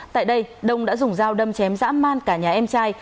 tại đây đông đã dùng dao đâm chém giã man cả nhà em trai